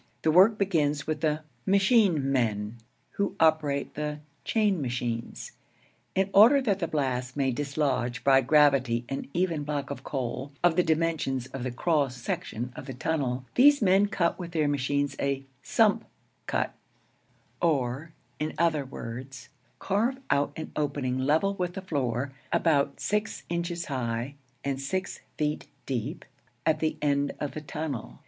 The work begins with the 'machine men,' who operate the 'chain machines.' In order that the blast may dislodge by gravity an even block of coal, of the dimensions of the cross section of the tunnel, these men cut with their machines a 'sump cut,' or, in other words, carve out an opening level with the floor, about six inches high and six feet deep, at the end of the tunnel.